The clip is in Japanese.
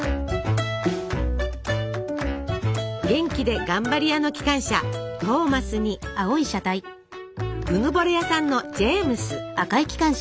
元気で頑張り屋の機関車「トーマス」にうぬぼれ屋さんの「ジェームス」。